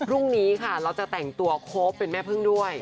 พรุ่งนี้ค่ะเราจะแต่งตัวโค้กเป็นแม่พึ่งด้วย